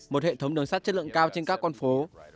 một hệ thống đường sắt chất lượng cao trên các con phố